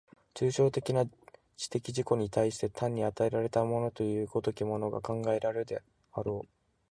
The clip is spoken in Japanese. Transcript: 抽象的な知的自己に対しては単に与えられたものという如きものが考えられるであろう。